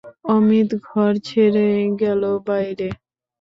অমিত ঘর ছেড়ে গেল বাইরে।